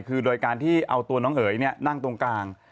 คือโดยการที่เอาตัวน้องเอ๋ยนั่งตรงกลาง